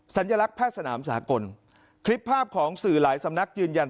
สัญลักษณ์แพทย์สนามสากลคลิปภาพของสื่อหลายสำนักยืนยัน